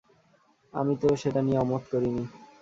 আমি তো সেটা নিয়ে অমত করিনি!